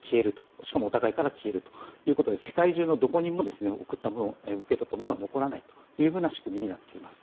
しかもお互いから消えるということで世界中のどこにも受け取ったものは残らないというふうな仕組みになっています。